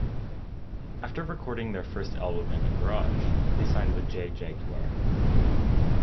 After recording their first album in a garage, they signed with Jagjaguwar.